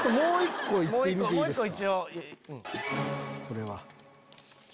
もう１個一応。